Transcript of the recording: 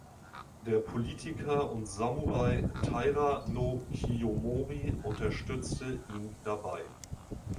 Der Politiker und Samurai Taira no Kiyomori unterstützte ihn dabei.